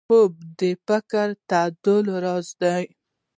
خوب د فکري تعادل راز دی